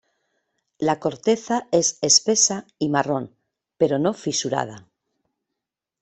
La corteza es espesa y marrón, pero no fisurada.